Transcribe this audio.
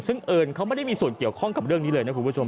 ซึ่งเอิญเขาไม่ได้มีส่วนเกี่ยวข้องกับเรื่องนี้เลยนะคุณผู้ชม